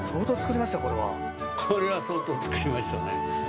これは相当作りましたね。